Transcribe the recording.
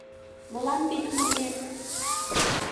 Молан тидым ойлет?